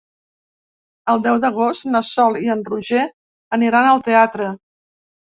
El deu d'agost na Sol i en Roger aniran al teatre.